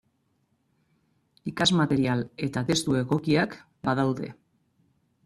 Ikasmaterial eta testu egokiak badaude.